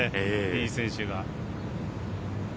いい選手が。